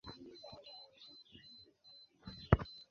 Mu ndiba y’isanduku hari harambitsemo amabuye abiri asobetse ku isanduku